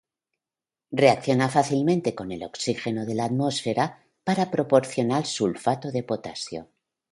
Reacciona fácilmente con el oxígeno de la atmósfera para proporcionar sulfato de potasio.